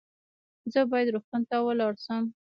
زه باید روغتون ته ولاړ سم